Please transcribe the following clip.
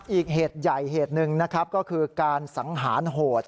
อีกเหตุใหญ่เหตุหนึ่งนะครับก็คือการสังหารโหด